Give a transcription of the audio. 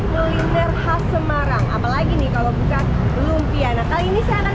kuliner khas semarang apalagi nih kalau bukan lumpia nah kali ini saya akan